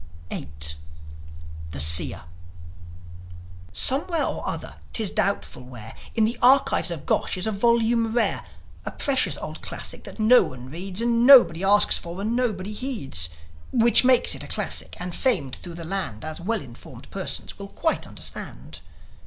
VIII. THE SEER Somewhere or other, 'tis doubtful where, In the archives of Gosh is a volume rare, A precious old classic that nobody reads, And nobody asks for, and nobody heeds; Which makes it a classic, and famed thro' the land, As well informed persons will quite understand.